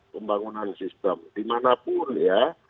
pembangunan sistem dimanapun ya